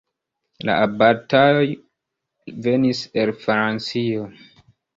La abatoj venis el Francio.